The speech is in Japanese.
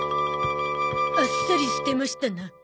あっさり捨てましたな。